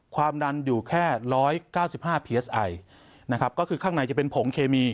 ความดันอยู่แค่๑๙๕เพียสไอนะครับก็คือข้างในจะเป็นผงเคมี